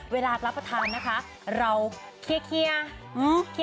เวลารับประทานนะคะเราเคลียร์